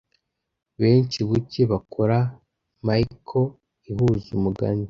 benshi buke bakora mickle ihuza umugani